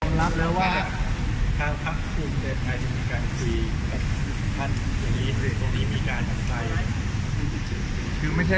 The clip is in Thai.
คุณได้ไทยจะมีการคุยกับท่านอย่างนี้ตรงนี้มีการในใจ